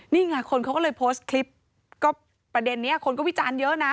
นี่ไงคนเขาก็เลยโพสต์คลิปก็ประเด็นนี้คนก็วิจารณ์เยอะนะ